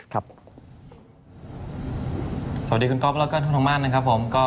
สวัสดีคุณกบและว่าก็คือทุนโภมาร